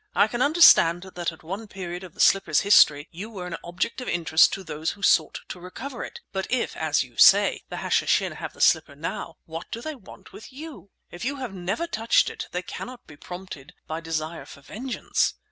I can understand that at one period of the slipper's history you were an object of interest to those who sought to recover it; but if, as you say, the Hashishin have the slipper now, what do they want with you? If you have never touched it, they cannot be prompted by desire for vengeance."